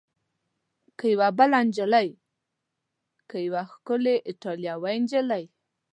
که یوه بله نجلۍ؟ که یوه ښکلې ایټالوۍ نجلۍ؟